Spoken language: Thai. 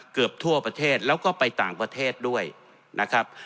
เกือบทั่วประเทศแล้วก็ไปต่างประเทศด้วยนะครับ